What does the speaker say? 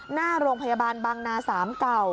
หน้าโรงพยาบาลบางนา๓เก่า